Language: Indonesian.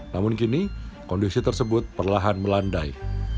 namun kini kondisi tersebut perlahan melandai